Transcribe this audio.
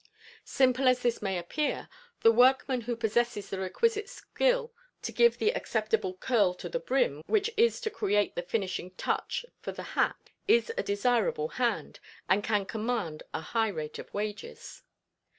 Simple as this may appear, the workman who possesses the requisite skill to give the acceptable curl to the brim which is to create the finishing touch for the hat is a desirable hand, and can command a high rate of wages.